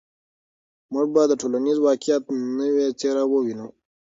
موږ به د ټولنیز واقعیت نوې څېره ووینو.